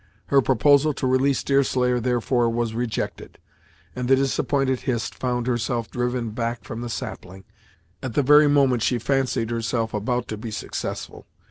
Her proposal to release Deerslayer, therefore, was rejected, and the disappointed Hist found herself driven back from the sapling, at the very moment she fancied herself about to be successful.